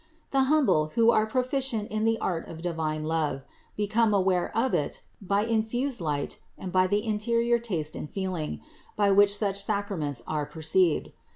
The humble, who are proficient in the art of divine love, become aware of it by infused light and by the interior taste and feeling, by which such sacraments are perceived.